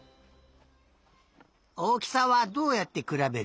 おおきさはどうやってくらべる？